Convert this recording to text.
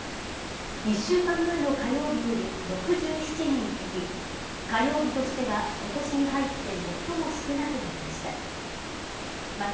１週間前の火曜日より６７人減り、火曜日としてはことしに入って最も少なくなりました。